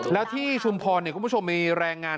แล้วที่ชุมพรคุณผู้ชมมีแรงงาน